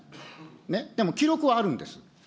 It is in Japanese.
ね、でも記録はあるんです。